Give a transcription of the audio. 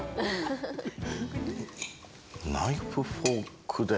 ナイフ、フォークで。